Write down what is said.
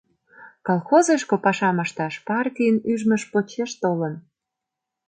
Колхозышко пашам ышташ партийын ӱжмыж почеш толын.